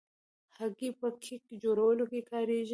هګۍ په کیک جوړولو کې کارېږي.